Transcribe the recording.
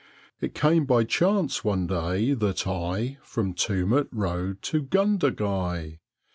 ..... It came by chance one day that I From Tumut rode to Gundagai.